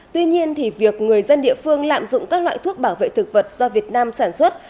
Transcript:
tuy nhiên việc người dân địa phương lạm dụng các loại thuốc bảo vệ thực vật do việt nam sản xuất